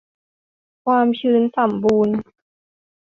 ความชื้นสัมบูรณ์